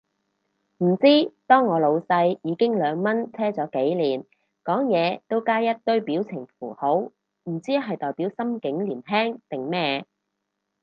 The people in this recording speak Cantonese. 唔知，當我老細已經兩蚊車咗幾年，講嘢都加一堆表情符號，唔知係代表心境年輕定咩